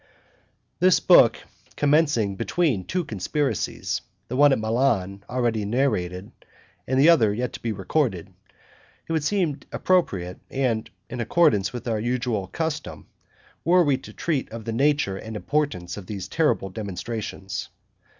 This book, commencing between two conspiracies, the one at Milan already narrated, the other yet to be recorded, it would seem appropriate, and in accordance with our usual custom, were we to treat of the nature and importance of these terrible demonstrations.